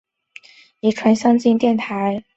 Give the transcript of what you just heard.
自由砂拉越电台。